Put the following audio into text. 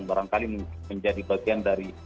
barangkali menjadi bagian dari